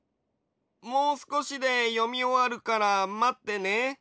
もうすこしでよみおわるからまってね。